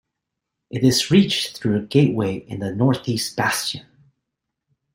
It is reached through a gateway in the north-east bastion.